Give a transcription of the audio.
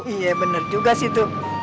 iya bener juga sih tuh